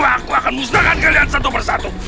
aku akan musnahkan kalian satu persatu